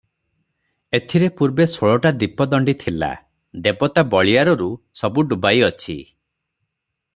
ଏଥିରେ ପୂର୍ବେ ଷୋଳଟା ଦୀପଦଣ୍ତିଥିଲା, ଦେବତା ବଳିଆରରୁ ସବୁ ଡୁବାଇଅଛି ।